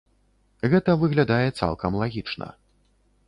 Гэта выглядае цалкам лагічна.